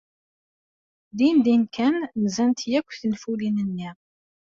Dindin kan nzant akk tenfulin-nni.